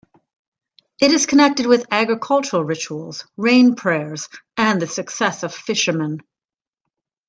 It is connected with agricultural rituals, rain prayers, and the success of fisherman.